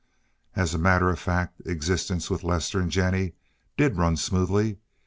And as a matter of fact existence with Lester and Jennie did run smoothly.